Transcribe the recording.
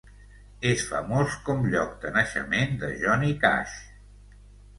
És famós com lloc de naixement de Johnny Cash.